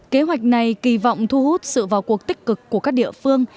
kế hoạch này kỳ vọng thu hút sự vào cuộc tích cực của các địa phương